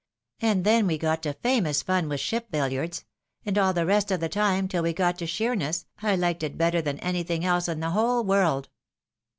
And then we got to famous fun with ship bUliards ; and all the rest of the time, till we got to Sheer ness, I Uked it better than anything else in the whole world."